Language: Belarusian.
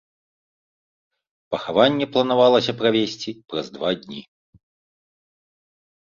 Пахаванне планавалася правесці праз два дні.